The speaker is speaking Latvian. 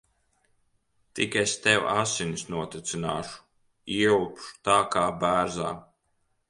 Tik es tev asinis notecināšu. Ieurbšu tā kā bērzā.